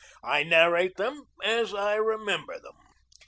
I narrate them as I remember them.